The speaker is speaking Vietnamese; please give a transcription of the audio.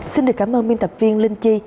xin được cảm ơn biên tập viên linh chi